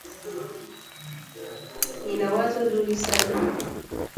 Nina wazo zuri sana